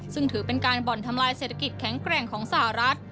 ซึ่งถือเป็นการบ่อนทำลายเศรษฐกิจแข็งแกร่งของสหรัฐ